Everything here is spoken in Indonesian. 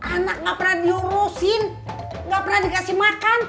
anak gak pernah diurusin nggak pernah dikasih makan